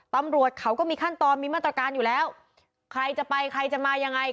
ตำรวจเขาก็มีขั้นตอนมีมาตรการอยู่แล้วใครจะไปใครจะมายังไง